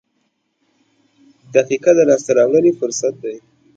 • دقیقه د لاسته راوړنې فرصت دی.